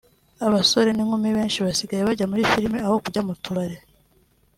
abasore n’inkumi benshi basigaye bajya muri filimi aho kujya mu tubare